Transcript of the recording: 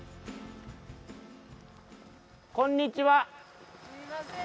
こんにちは。